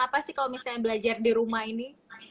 apa sih kalau misalnya belajar di rumah ini